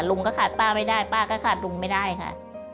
ลุงก็ขาดป้าไม่ได้ป้าก็ขาดลุงไม่ได้ค่ะ